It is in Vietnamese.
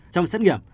trong xét nghiệm